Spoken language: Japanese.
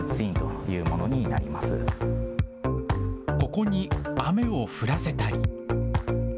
ここに雨を降らせたり。